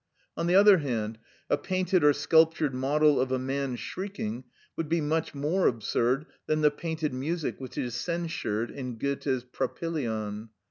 On the other hand, a painted or sculptured model of a man shrieking, would be much more absurd than the painted music which is censured in Goethe's Propylaen.